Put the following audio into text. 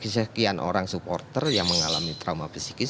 di sekian orang supporter yang mengalami trauma psikis